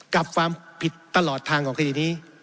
กับความผิดตลอดทางของคดีนี้